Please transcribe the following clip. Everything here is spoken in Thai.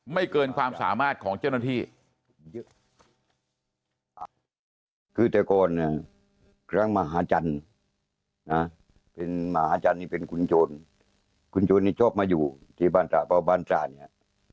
เกินความสามารถของเจ้าหน้าที่